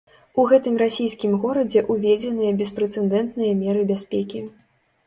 У гэтым расійскім горадзе ўведзеныя беспрэцэдэнтныя меры бяспекі.